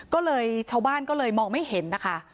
ก็เลยชาวบ้านก็เลยมองไม่เห็นนะคะ